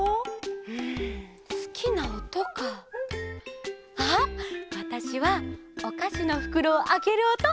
うんすきなおとか。あっわたしはおかしのふくろをあけるおと！